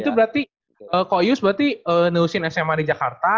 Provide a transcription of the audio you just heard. itu berarti koyus berarti neusin sma di jakarta